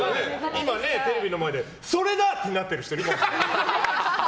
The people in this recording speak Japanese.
今、テレビの前でそれだ！ってなってる人いる。